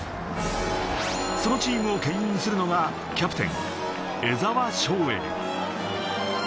そのチームをけん引するのがキャプテン・江沢匠映。